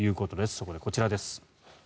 そこでこちらです。